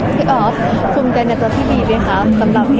สคมคอบคุ้มใจเนื้อตัวพี่บีด้วยคะ